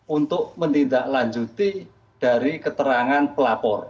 untuk menindaklanjuti dari keterangan pelapor